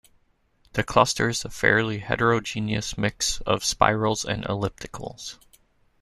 The cluster is a fairly heterogeneous mixture of spirals and ellipticals.